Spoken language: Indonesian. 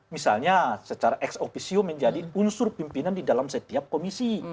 misalnya secara ex officio menjadi unsur pimpinan di dalam setiap komisi